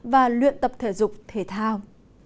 và luyện tập thể dục thể thao